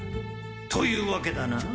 というわけだな？